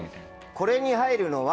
これに入るのは。